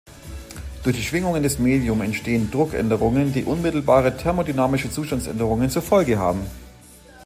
Durch die Schwingungen des Medium entstehen Druckänderungen, die unmittelbare thermodynamische Zustandsänderungen zur Folge haben.